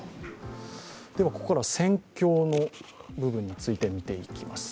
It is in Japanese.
ここからは戦況の部分について見ていきます。